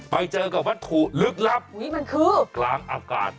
ไปเจอกับวัตถุลึกลับนี่มันคือกลางอากาศ